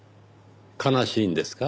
悲しいんですか？